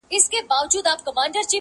دا د هجر شپې به ټولي پرې سبا کړو,